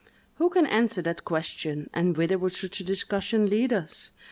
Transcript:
Who can answer that question, and whither would such a discussion lead us?